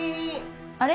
あれ？